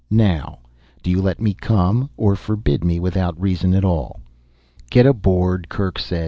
Now ... do you let me come, or forbid me without reason at all?" "Get aboard," Kerk said.